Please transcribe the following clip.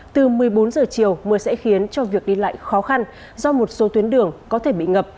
từ một mươi bốn giờ chiều mưa sẽ khiến cho việc đi lại khó khăn do một số tuyến đường có thể bị ngập